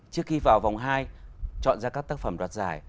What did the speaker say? trước khi vào vòng hai chọn ra các tác phẩm đoạt giải